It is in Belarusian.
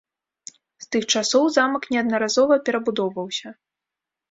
З тых часоў замак неаднаразова перабудоўваўся.